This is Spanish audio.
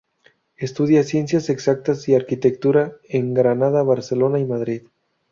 Estudia Ciencias Exactas y Arquitectura en Granada, Barcelona y Madrid.